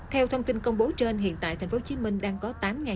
theo thông tin công bố trên hiện tại tp hcm đang có